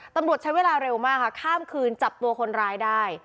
ตำรวจใช้เวลาเร็วมากค่ะข้ามคืนจับตัวคนร้ายได้